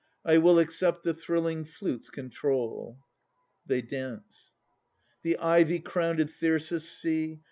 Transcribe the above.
I will accept the thrilling flute's control. [They dance The ivy crownèd thyrsus, see!